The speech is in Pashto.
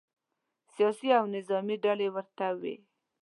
سیاسي او نظامې ډلې ورته وي.